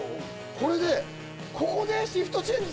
これで、ここでシフトチェンジ？